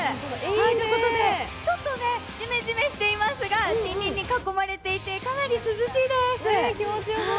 ということでちょっとじめじめしていますが、森林に囲まれていてかなり涼しいです。